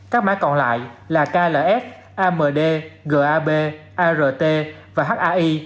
các mã còn lại là kls amd gab art và hai